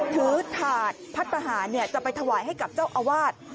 ถาดพัฒนาหารจะไปถวายให้กับเจ้าอาวาส